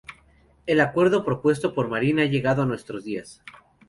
El acuerdo propuesto por Marín ha llegado a nuestros días.